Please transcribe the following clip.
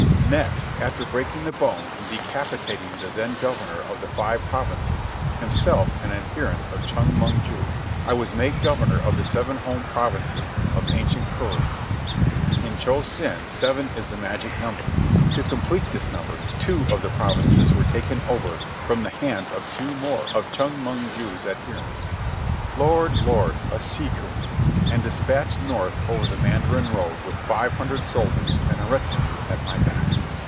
Next, after breaking the bones and decapitating the then governor of the five provinces, himself an adherent of Chong Mong ju, I was made governor of the seven home provinces of ancient Koryu. In Cho Sen seven is the magic number. To complete this number two of the provinces were taken over from the hands of two more of Chong Mong ju's adherents. Lord, Lord, a sea cuny ... and dispatched north over the Mandarin Road with five hundred soldiers and a retinue at my back!